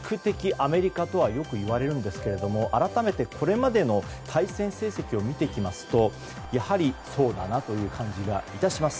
アメリカとはよく言われますが改めてこれまでの対戦成績を見ていきますとやはり、そうだなという感じが致します。